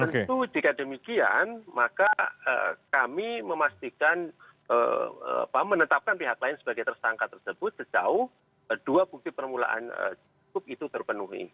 tentu jika demikian maka kami memastikan menetapkan pihak lain sebagai tersangka tersebut sejauh dua bukti permulaan cukup itu terpenuhi